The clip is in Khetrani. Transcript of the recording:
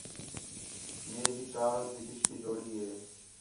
مے ہِک کاغذ تی کشتی جوڑی ہِے